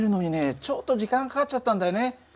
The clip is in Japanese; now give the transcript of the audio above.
ちょっと時間がかかちゃったんだよね。